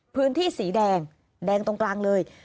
พื้นที่สีแดงแดงตรงกลางเลย